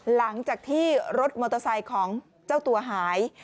หลังจากที่รถมอเตอร์ไซค์ของเจ้าตัวหาย